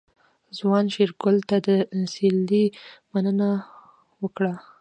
ځوان شېرګل ته د سيرلي مننه وکړه.